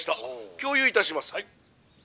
共有いたします」。